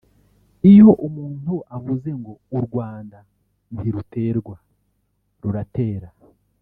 Iyo umuntu avuze ngo ‘u Rwanda ntiruterwa ruratera